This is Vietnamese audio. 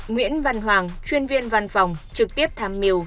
nguyễn văn hoàng chuyên viên văn phòng trực tiếp tham mưu